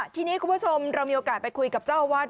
ทีนี้คุณผู้ชมเรามีโอกาสไปคุยกับเจ้าอาวาส